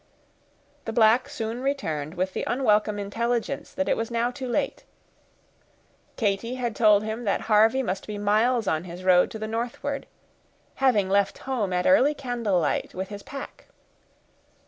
The black soon returned with the unwelcome intelligence that it was now too late. Katy had told him that Harvey must be miles on his road to the northward, "having left home at early candlelight with his pack."